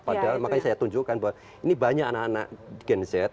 padahal makanya saya tunjukkan bahwa ini banyak anak anak gen z